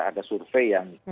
ada survei yang